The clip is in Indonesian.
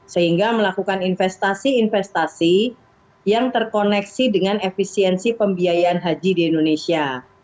sehingga melakukan investasi investasi yang terkoneksi dengan efisiensi pembiayaan haji di indonesia